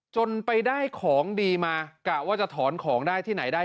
จนไปได้ของดีมากะว่าจะถอนของได้ที่ไหนได้